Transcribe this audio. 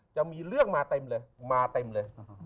จะมีเรื่องมาเต็มเลยมาเต็มเลย